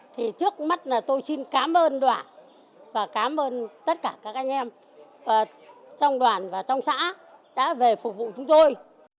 thì trước mắt là tôi xin cảm ơn đoàn và cảm ơn tất cả các anh em trong đoàn và trong xã đã về phục vụ chúng tôi